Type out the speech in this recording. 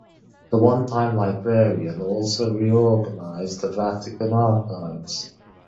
The onetime librarian also reorganized the Vatican archives.